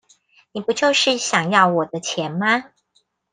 你不就是想要我的錢嗎?